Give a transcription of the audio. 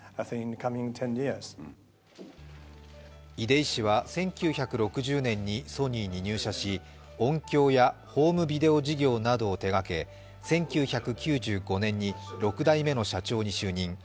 出井氏は１９６０年にソニーに入社し音響やホームビデオ事業などを手がけ１９９５年に６代目の社長に就任。